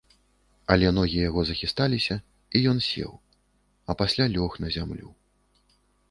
Але ногі яго захісталіся, і ён сеў, а пасля лёг на зямлю.